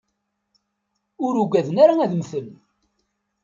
Ur uggaden ara ad mten.